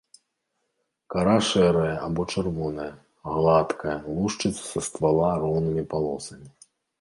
Кара шэрая або чырвоная, гладкая, лушчыцца са ствала роўнымі палосамі.